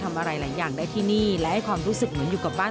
ทำอะไรหลายอย่างในที่นี่และของรู้สึกเหมือนอยู่กับบ้าน